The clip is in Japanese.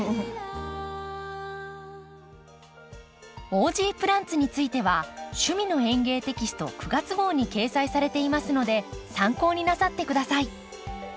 「オージープランツ」については「趣味の園芸」テキスト９月号に掲載されていますので参考になさって下さい。